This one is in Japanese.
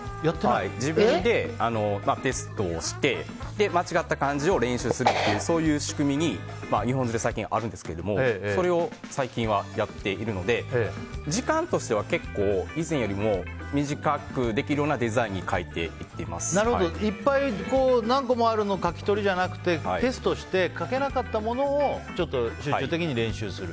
自分でテストをして間違った漢字を練習するという仕組みにそれを最近はやっているので時間としては以前よりも短くできるようないっぱい何個もある書き取りじゃなくてテストをして書けなかったものを集中的に練習する。